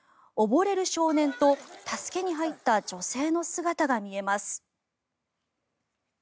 溺れる少年と助けに入った女性の姿が見えます。